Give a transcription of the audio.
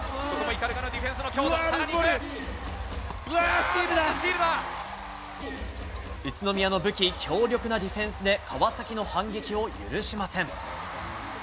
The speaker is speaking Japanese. ディフェンスの強打、スティール宇都宮の武器、強力なディフェンスで、川崎の反撃を許しません。